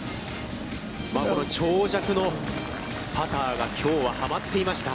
この長尺のパターがきょうは、はまっていました。